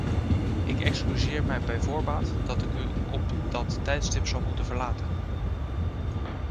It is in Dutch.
Ik excuseer mij bij voorbaat dat ik u op dat tijdstip zal moeten verlaten.